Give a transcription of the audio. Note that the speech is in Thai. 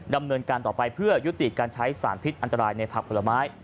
ดำเนินการต่อไปเพื่อยุติการใช้สารพิษอันตรายในผักผลไม้